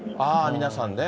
皆さんね。